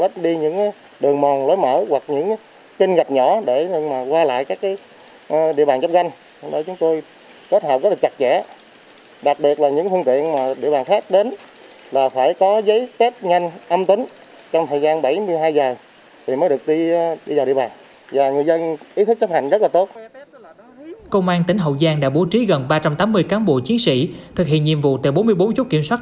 công an tỉnh hậu giang đã bố trí gần ba trăm tám mươi cán bộ chiến sĩ thực hiện nhiệm vụ tại bốn mươi bốn chốt kiểm soát